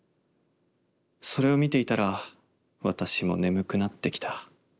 それを見ていたら私も眠くなってきた。